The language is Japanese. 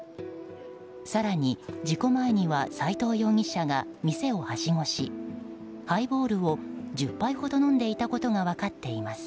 更に事故前には斎藤容疑者が店をはしごしハイボールを１０杯ほど飲んでいたことが分かっています。